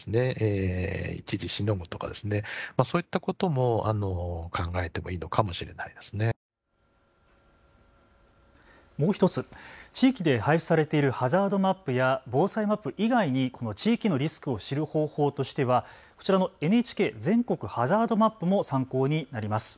もう１つ、地域で配布されているハザードマップや防災マップ以外に地域のリスクを知る方法としては、こちらのＮＨＫ全国ハザードマップも参考になります。